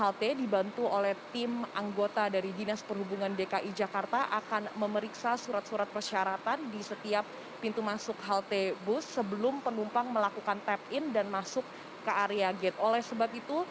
amel jadi efektif mulai besok penumpang harus membawa strp atau surat keterangan dari pemerintah daerah